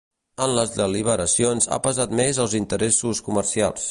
En les deliberacions, ha pesat més els interessos comercials.